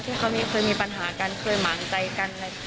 ที่เขาเคยมีปัญหากันเคยหมางใจกัน